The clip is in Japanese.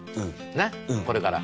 ねっこれから。